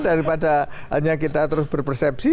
daripada hanya kita terus berpersepsi